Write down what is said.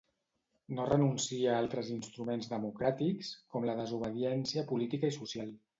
No renuncia a altres instruments democràtics, com la desobediència política i social.